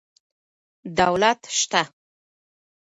دولت سته.